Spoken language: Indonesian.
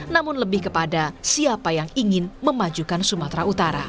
namun lebih kepada siapa yang ingin memajukan sumatera utara